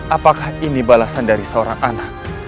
apakah ini balasan dari seorang anak